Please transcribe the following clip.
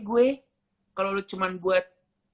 gue kalau lu cuman buat